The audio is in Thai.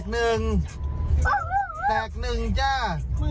มึงก็ภาคดีเนาะ